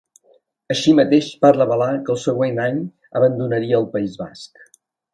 Així mateix, va revelar que el següent any abandonaria el País Basc.